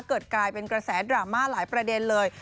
กลายเป็นกระแสดราม่าหลายประเด็นเลย